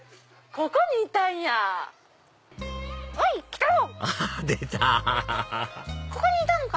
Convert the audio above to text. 「ここにいたのか」。